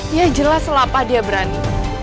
dia jelas lapa dia berani